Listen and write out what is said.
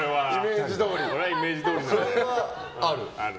それはある。